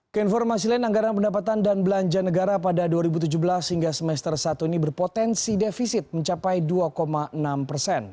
keinformasi lain anggaran pendapatan dan belanja negara pada dua ribu tujuh belas hingga semester satu ini berpotensi defisit mencapai dua enam persen